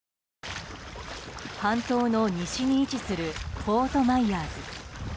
半島の西に位置するフォート・マイヤーズ。